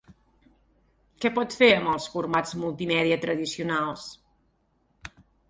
Què pot fer amb els formats multimèdia tradicionals?